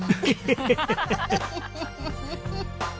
ハハハハ！